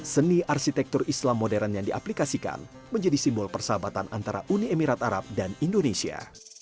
seni arsitektur islam modern yang diaplikasikan menjadi simbol persahabatan antara uni emirat arab dan indonesia